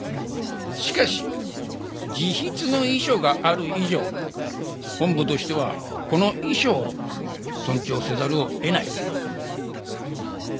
しかし自筆の遺書がある以上本部としてはこの遺書を尊重せざるを得ない。